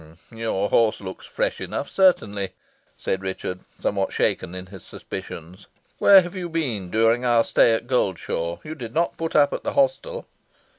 "Your horse looks fresh enough, certainly," said Richard, somewhat shaken in his suspicions. "Where have you been during our stay at Goldshaw? You did not put up at the hostel?"